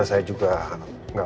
nih nanti aku mau minum